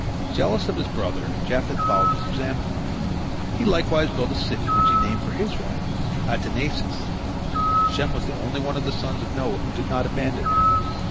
Jealous of his brother, Japheth followed his example. He likewise built a city which he named for his wife, Adataneses. Shem was the only one of the sons of Noah who did not abandon him.